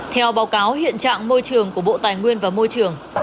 theo báo cáo hiện trạng môi trường của bộ tài nguyên và môi trường